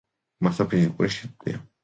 მასა ფიზიკური სიდიდეა.